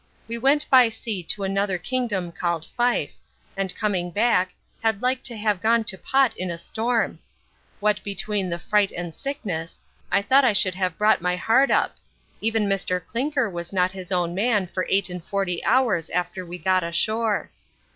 We went by sea to another kingdom called Fife, and coming back, had like to have gone to pot in a storm. What between the frite and sickness, I thought I should have brought my heart up; even Mr Clinker was not his own man for eight and forty hours after we got ashore.